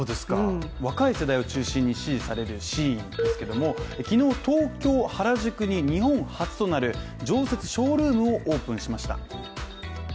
若い世代を中心に支持されるＳＨＥＩＮですけども、昨日、東京・原宿に日本初となる常設ショールームをオープンしました。